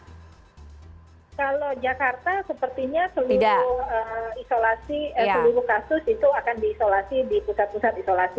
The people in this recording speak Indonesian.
kalau jakarta sepertinya seluruh isolasi seluruh kasus itu akan diisolasi di pusat pusat isolasi